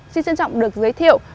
xin trân trọng được giới thiệu